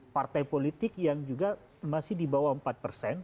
partai politik yang juga masih dibawa empat persen